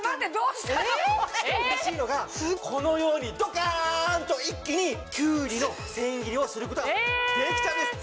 しかもうれしいのがこのようにドッカンと一気にきゅうりの千切りをすることができちゃうんです。